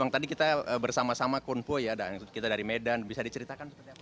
tadi kita bersama sama kunpo ya kita dari medan bisa diceritakan